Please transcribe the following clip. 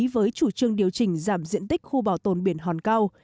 với chủ trương điều chỉnh giảm diện tích khu bảo tồn biển hòn cao